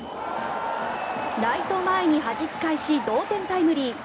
ライト前にはじき返し同点タイムリー。